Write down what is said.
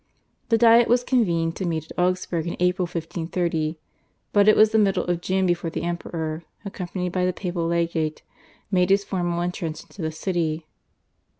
The Diet was convened to meet at Augsburg in April 1530, but it was the middle of June before the Emperor, accompanied by the papal legate, made his formal entrance into the city.